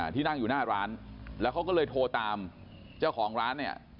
ที่นั่งอยู่หน้าร้านแล้วเขาก็เลยโทรตามเจ้าของร้านเนี่ย